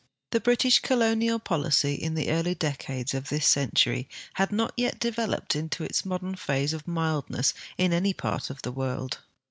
The British colonial policy in the early decades of this century had not yet developed into its modern phase of mildness in any part of the world.